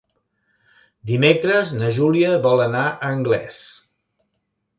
Dimecres na Júlia vol anar a Anglès.